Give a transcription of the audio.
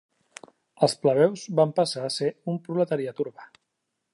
Els plebeus van passar a ser un proletariat urbà.